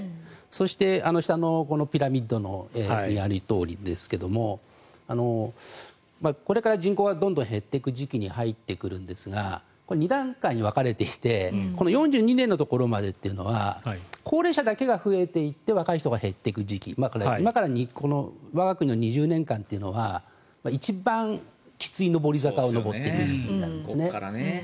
そして下のピラミッドにあるとおりですがこれから人口がどんどん減っていく時期に入っていくんですが２段階に分かれていて４２年のところまでというのは高齢者だけが増えていって若い人が減っていく時期これは今から我が国の２０年間というのは一番きつい上り坂を上っていきます。